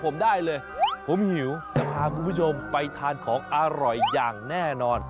สวัสดีค่ะคุณผู้ชมไปทานของอร่อยอย่างแน่นอน